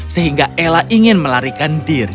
sehingga ella ingin melarikan diri